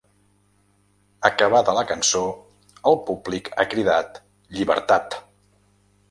Acabada la cançó, el públic ha cridat ‘Llibertat’.